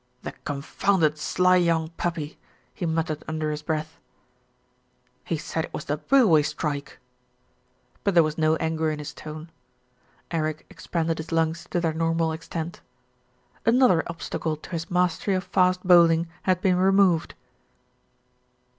"The confounded sly young puppy!" he muttered under his breath. "He said it was the railway strike"; but there was no anger in his tone. Eric expanded his lungs to their normal extent. An other obstacle to his mastery of fast bowling had been removed.